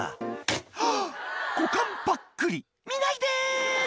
「はっ股間ぱっくり見ないで！」